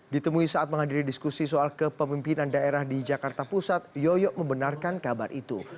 ditemui saat menghadiri diskusi soal kepemimpinan daerah di jakarta pusat yoyo membenarkan kabar itu